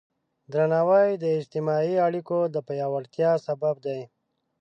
درناوی د اجتماعي اړیکو د پیاوړتیا سبب دی.